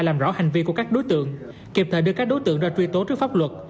làm rõ hành vi của các đối tượng kịp thời đưa các đối tượng ra truy tố trước pháp luật